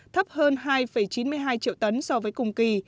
thấp hơn hai chín mươi hai triệu tấn so với cùng kỳ